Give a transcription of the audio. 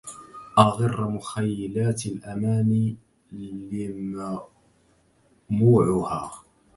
أغر مخيلات الأماني لموعها